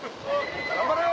頑張れよ！